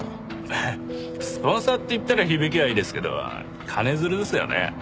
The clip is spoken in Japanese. ハハッスポンサーって言ったら響きはいいですけど金づるですよね。